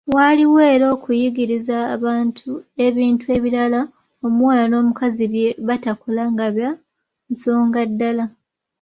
Waaliwo era okuyigiriza ebintu ebirala omuwala n’omukazi bye batakola nga bya nsonga ddala.